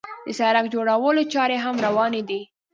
د سړک جوړولو چارې هم روانې دي.